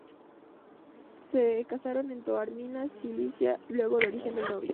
Se casaron en Taormina, Sicilia, lugar de origen del novio.